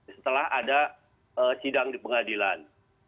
setelah ada sidang di pengadilan